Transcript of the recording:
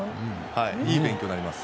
いい勉強になります。